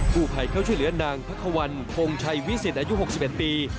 ผู้ภัยเข้าช่วยเหลือนางพระควันพงชัยวิสิตอายุ๖๑ปี